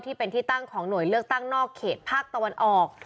ที่เป็นที่ตั้งของหน่วยเลือกตั้งนอกเขตภาคตะวันออก